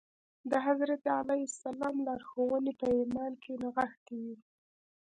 د حضرت عیسی علیه السلام لارښوونې په ایمان کې نغښتې وې